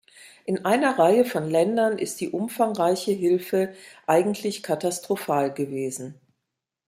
In einer Reihe von Ländern ist die zu umfangreiche Hilfe eigentlich katastrophal gewesen.